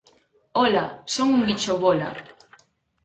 Ola! Son un bicho bóla!